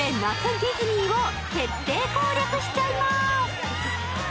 ディズニーを徹底攻略しちゃいます。